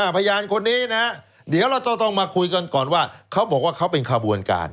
พยานคนนี้นะเดี๋ยวเราต้องมาคุยกันก่อนว่าเขาบอกว่าเขาเป็นขบวนการ